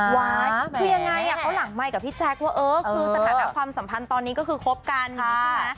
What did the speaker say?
คือยังไงเขาหลังไมค์กับพี่แจ๊คว่าเออคือสถานะความสัมพันธ์ตอนนี้ก็คือคบกันใช่ไหม